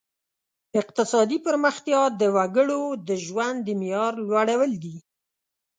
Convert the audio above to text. اقتصادي پرمختیا د وګړو د ژوند د معیار لوړول دي.